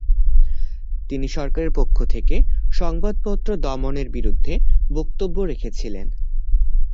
তিনি সরকারের পক্ষ থেকে সংবাদপত্র দমনের বিরুদ্ধে বক্তব্য রেখেছিলেন।